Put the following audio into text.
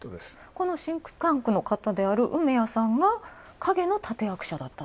このシンクタンクである梅屋さんが陰の立役者だったと。